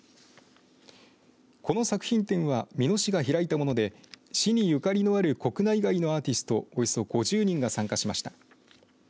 この作品展は美濃市が開いたもので市に、ゆかりのある国内外のアーティストおよそ５０人が参加しました。